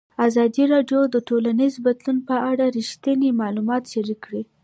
ازادي راډیو د ټولنیز بدلون په اړه رښتیني معلومات شریک کړي.